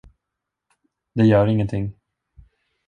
Det gör ingenting.